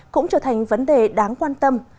cũng trở thành vấn đề đáng quan tâm